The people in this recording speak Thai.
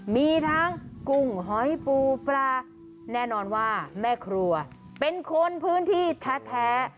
มีทั้งกุ้งหอยปูปลาแน่นอนว่าแม่ครัวเป็นคนพื้นที่แท้